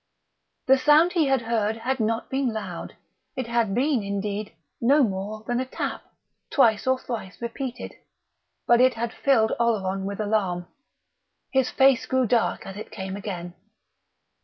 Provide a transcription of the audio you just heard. The sound he had heard had not been loud it had been, indeed, no more than a tap, twice or thrice repeated but it had filled Oleron with alarm. His face grew dark as it came again.